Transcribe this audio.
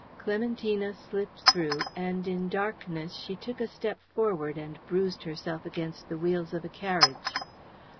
Clementina slipped through, and in darkness she took a step forward and bruised herself against the wheels of a carriage.